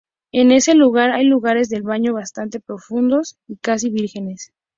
En ese lugar hay lugares de baño bastante profundos y casi vírgenes.